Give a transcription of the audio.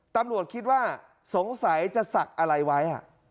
ตำรวจคิดว่าสงสัยจะศักดิ์อะไรไว้